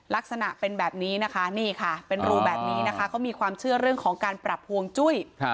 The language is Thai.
ลักษณะเป็นแบบนี้นะคะนี่ค่ะเป็นรูแบบนี้นะคะเขามีความเชื่อเรื่องของการปรับฮวงจุ้ย